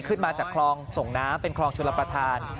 ขึ้นมาจากคลองส่งน้ำเป็นคลองชลประธาน